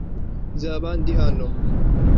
Nzaba ndi hano .